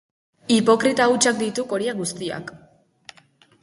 Hipokrita hutsak dituk horiek guztiak!